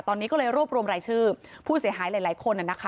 ตอนนี้ก็เลยรวบรวมรายชื่อผู้เสียหายหลายคน